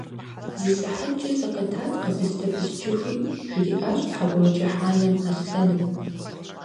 – Зы сыхьэткӀэ сыкъэтат къэбыстэ пысчыхуи, – жриӀащ ТхьэкӀумэкӀыхь анэм Аслъэным.